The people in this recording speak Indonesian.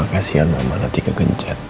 kasian mama nanti kegencan